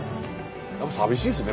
やっぱ寂しいですね。